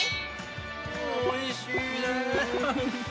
おいしいね！